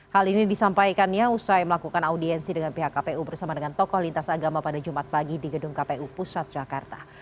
hal ini disampaikannya usai melakukan audiensi dengan pihak kpu bersama dengan tokoh lintas agama pada jumat pagi di gedung kpu pusat jakarta